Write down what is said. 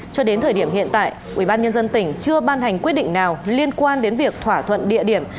cho đến thời điểm hiện tại ubnd tỉnh chưa ban hành quyết định nào liên quan đến việc thỏa thuận địa điểm